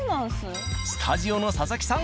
スタジオの佐々木さん